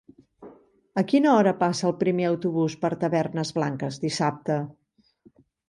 A quina hora passa el primer autobús per Tavernes Blanques dissabte?